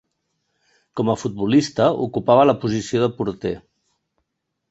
Com a futbolista ocupava la posició de porter.